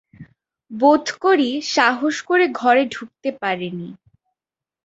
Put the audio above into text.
বোধ করি সাহস করে ঘরে ঢুকতে পারে নি।